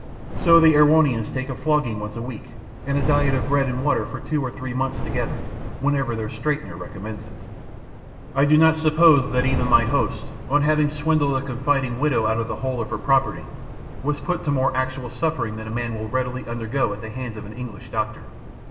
So the Erewhonians take a flogging once a week, and a diet of bread and water for two or three months together, whenever their straightener recommends it. I do not suppose that even my host, on having swindled a confiding widow out of the whole of her property, was put to more actual suffering than a man will readily undergo at the hands of an English doctor.